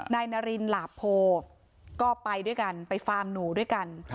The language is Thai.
นายนารินหลาโพก็ไปด้วยกันไปฟาร์มหนูด้วยกัน